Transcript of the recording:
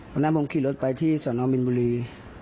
วันนั้นผมขี่รถไปที่สนมินบุรี